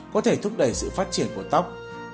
có thể thúc đẩy sự phát triển của tóc